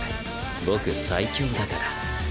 僕最強だから。